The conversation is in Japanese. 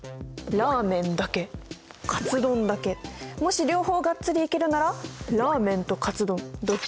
ラーメンだけかつ丼だけもし両方がっつりいけるならラーメンとかつ丼どっちもオーケー！